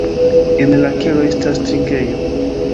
En la kelo estas trinkejo.